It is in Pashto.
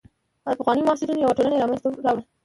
او د پخوانیو محصلینو یوه ټولنه یې منځته راوړه.